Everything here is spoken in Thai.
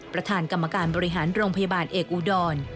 ประธานกรรมการบริหารโรงพยาบาลเอกอุดร